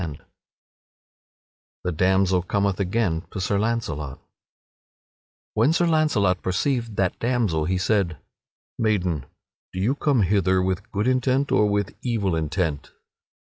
[Sidenote: The damsel cometh again to Sir Launcelot] When Sir Launcelot perceived that damsel he said: "Maiden, do you come hither with good intent or with evil intent?"